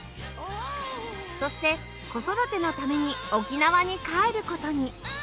そして子育てのために沖縄に帰る事に